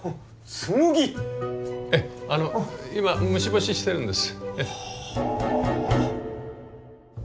ええあの今虫干ししてるんです。